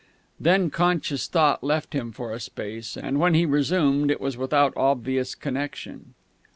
Then conscious thought left him for a space, and when he resumed it was without obvious connection.